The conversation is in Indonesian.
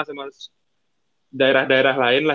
sama daerah daerah lain lah